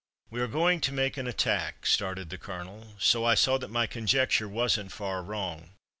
"We are going to make an attack," started the Colonel, so I saw that my conjecture wasn't far wrong.